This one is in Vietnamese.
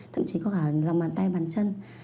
thậm chí có cả lòng bàn tay bàn chân